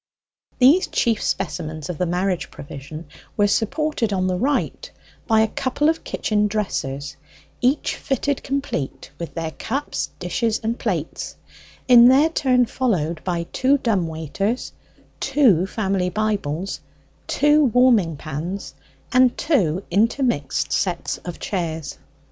These chief specimens of the marriage provision were supported on the right by a couple of kitchen dressers, each fitted complete with their cups, dishes, and plates, in their turn followed by two dumb waiters, two family Bibles, two warming pans, and two intermixed sets of chairs.